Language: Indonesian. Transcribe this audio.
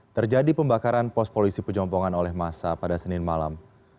terjadi pembakaran pos polisi pejompongan oleh masa pada senin malam